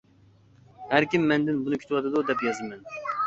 ھەر كىم مەندىن بۇنى كۈتۈۋاتىدۇ دەپ يازىمەن.